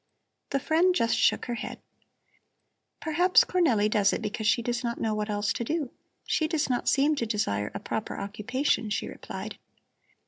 The friend just shook her head. "Perhaps Cornelli does it because she does not know what else to do. She does not seem to desire a proper occupation," she replied.